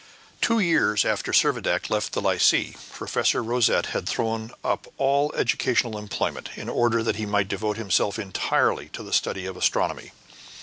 Two years after Servadac left the Lycee, Professor Rosette had thrown up all educational employment in order that he might devote himself entirely to the study of astronomy.